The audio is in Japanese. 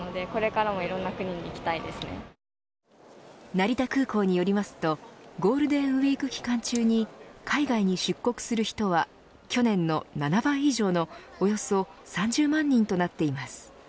成田空港によりますとゴールデンウイーク期間中に海外に出国する人は去年の７倍以上のおよそ３０万人となっています。